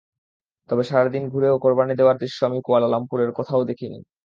তবে সারা দিন ঘুরেও কোরবানি দেওয়ার দৃশ্য আমি কুয়ালালামপুরের কোথাও দেখিনি।